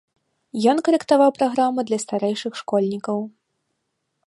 Ён карэктаваў праграму для старэйшых школьнікаў.